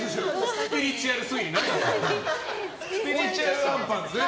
スピリチュアルあんぱんですね。